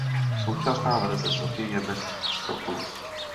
Současná verze sochy je bez soklu.